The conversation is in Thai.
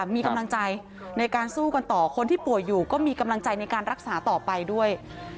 มีกำลังใจในการสู้กันต่อคนที่ป่วยอยู่ก็มีกำลังใจในการรักษาต่อไปด้วย